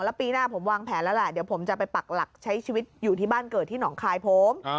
แล้วปีหน้าผมวางแผนแล้วแหละเดี๋ยวผมจะไปปักหลักใช้ชีวิตอยู่ที่บ้านเกิดที่หนองคายผม